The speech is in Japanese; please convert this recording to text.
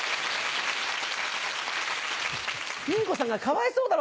ピン子さんがかわいそうだろ！